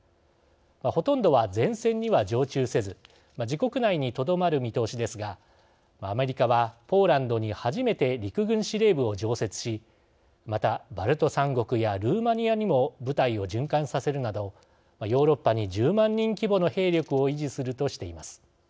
ほとんどは、前線には常駐せず自国内にとどまる見通しですがアメリカは、ポーランドに初めて陸軍司令部を常設しまた、バルト３国やルーマニアにも部隊を循環させるなどヨーロッパに１０万人規模の兵力を維持するとしています。